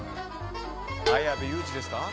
綾部祐二ですか？